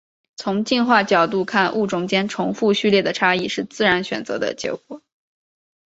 从进化角度看物种间重复序列的差异是自然选择的结果。